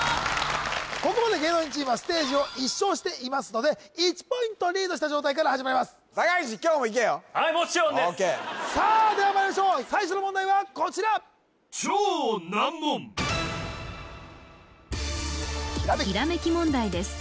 ここまで芸能人チームはステージを１勝していますので１ポイントリードした状態から始まりますＯＫさあではまいりましょう最初の問題はこちらひらめき問題です